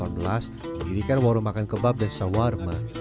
mendirikan warung makan kebab dan sawarma